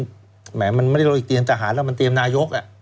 หมายถึงมันไม่ได้โรยกเตียงทหารแล้วมันเตรียมนายก